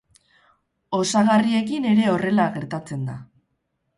Osagarriekin ere horrela gertatzen da.